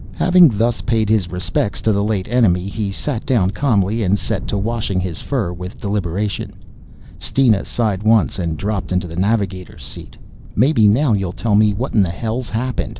Having thus paid his respects to the late enemy he sat down calmly and set to washing his fur with deliberation. Steena sighed once and dropped into the navigator's seat. "Maybe now you'll tell me what in the hell's happened?"